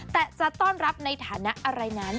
แต่จะต้อนรับในฐานะอะไรนั้น